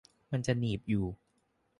มันจะหนีบอยู่